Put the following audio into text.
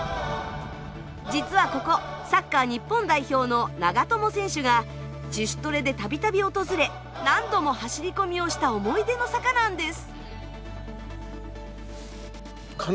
実はここサッカー日本代表の長友選手が自主トレで度々訪れ何度も走り込みをした思い出の坂なんです。